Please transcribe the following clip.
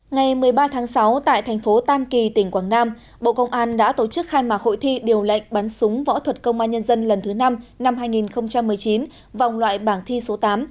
ngày một mươi ba tháng sáu tại thành phố tam kỳ tỉnh quảng nam bộ công an đã tổ chức khai mạc hội thi điều lệnh bắn súng võ thuật công an nhân dân lần thứ năm năm hai nghìn một mươi chín vòng loại bảng thi số tám